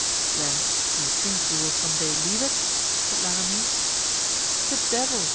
"Then you think you will some day leave it?" said La Ramee. "The devil!"